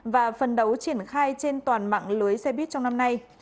và phần đấu triển khai trên toàn mạng lưới xe buýt trong năm nay